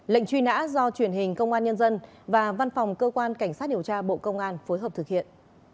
lệnh truy nã do truyền hình công an nhân dân và văn phòng cơ quan cảnh sát điều tra bộ công an phối hợp thực hiện